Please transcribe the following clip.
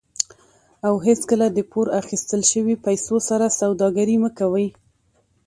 او هیڅکله د پور اخیستل شوي پیسو سره سوداګري مه کوئ.